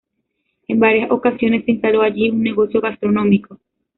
En varias ocasiones se instaló allí un negocio gastronómico.